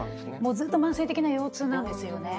ずっと慢性的な腰痛なんですよね。